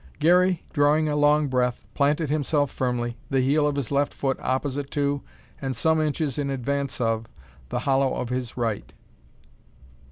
Garey, drawing a long breath, planted himself firmly, the heel of his left foot opposite to, and some inches in advance of, the hollow of his right.